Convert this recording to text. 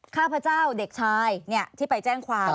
ข้าพเจ้าเด็กชายที่ไปแจ้งความ